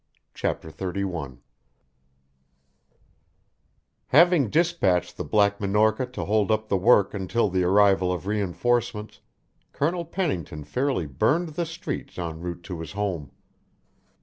CHAPTER XXXI Having dispatched the Black Minorca to hold up the work until the arrival of reinforcements, Colonel Pennington fairly burned the streets en route to his home.